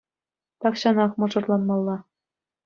Тахҫанах мӑшӑрланмалла.